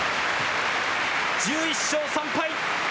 １１勝３敗！